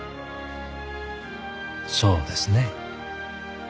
そうですねえ。